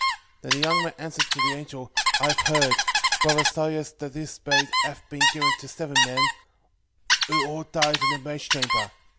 6:13 Then the young man answered the angel, I have heard, brother Azarias that this maid hath been given to seven men, who all died in the marriage chamber.